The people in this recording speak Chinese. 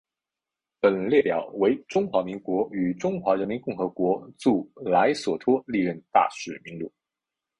本列表为中华民国与中华人民共和国驻莱索托历任大使名录。